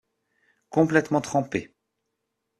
Complètement trempé.